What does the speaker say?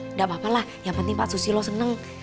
nggak apa apa lah yang penting pak susilo seneng